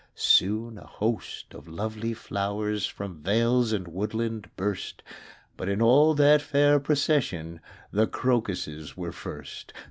Soon a host of lovely flowers From vales and woodland burst; But in all that fair procession The crocuses were first.